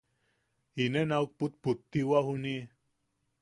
Unen auk pupputiwao juniʼi.